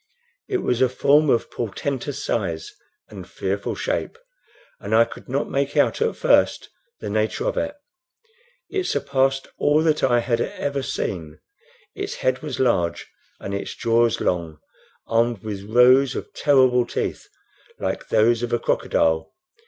It was a form of portentous size and fearful shape, and I could not make out at first the nature of it. It surpassed all that I had ever seen. Its head was large and its jaws long, armed with rows of terrible teeth like those of a crocodile.